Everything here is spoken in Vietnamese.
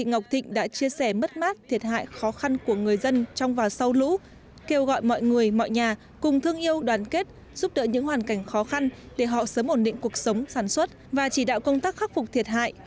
bộ nông nghiệp và phát triển nông thôn đã gọi mọi người mọi nhà cùng thương yêu đoàn kết giúp đỡ những hoàn cảnh khó khăn để họ sớm ổn định cuộc sống sản xuất và chỉ đạo công tác khắc phục thiệt hại